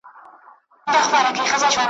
ږغ د پاولیو شرنګ د بنګړیو ,